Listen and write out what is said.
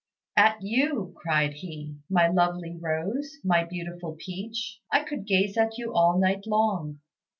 "At you," cried he, "my lovely rose, my beautiful peach. I could gaze at you all night long."